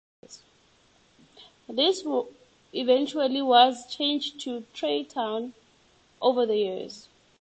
This eventually was changed to Traytown over the years.